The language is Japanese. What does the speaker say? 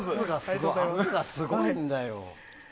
圧がすごいんだよ。